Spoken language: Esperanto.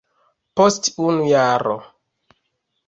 Post unu jaro.